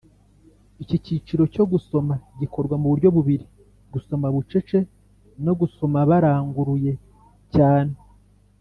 Iki kiciro cyo gusoma gikorwa mu buryo bubiri: gusoma bucece no gusosoma Baranguruye cyane